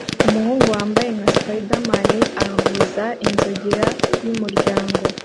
Umuhungu wambaye nka Spiderman avuza inzogera y'umuryango